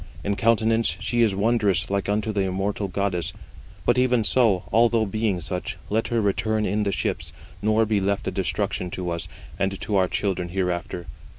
In countenance she is wondrous like unto the immortal goddess, but even so, although being such, let her return in the ships, nor be left a destruction to us and to our children hereafter."